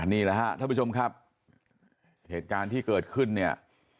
นี่แหละฮะท่านผู้ชมครับเหตุการณ์ที่เกิดขึ้นเนี่ย